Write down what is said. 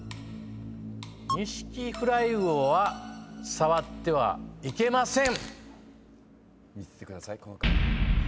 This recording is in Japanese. ニシキフウライウオは触ってはいけません。